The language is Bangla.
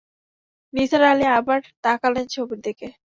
নিসার আলি আবার তাকালেন ছবির দিকে।